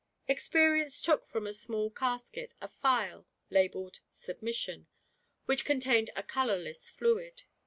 Experience took from a small casket a phial labelled "Submission," which contained a colourless fluid.